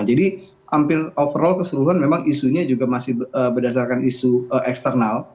jadi overall keseluruhan memang isunya juga masih berdasarkan isu eksternal